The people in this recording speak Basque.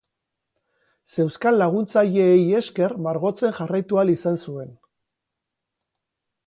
Zeuzkan laguntzaileei esker margotzen jarraitu ahal izan zuen.